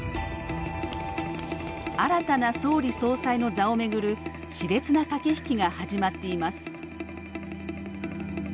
新たな総理・総裁の座を巡るしれつな駆け引きが始まっています。